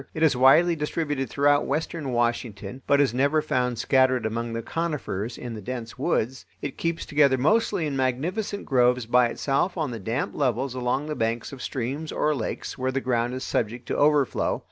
It is widely distributed throughout western Washington, but is never found scattered among the conifers in the dense woods. It keeps together mostly in magnificent groves by itself on the damp levels along the banks of streams or lakes where the ground is subject to overflow.